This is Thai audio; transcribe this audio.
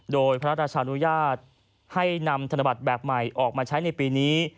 โดยพระราชานุญาตให้นำธนบัตรแบบใหม่ออกมาใช้ในปีนี้